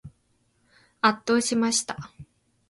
圧倒しました。